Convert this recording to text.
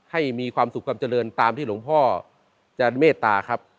ให้มีความสุขความเจริญตามที่หลวงพ่อจะเมตตาครับ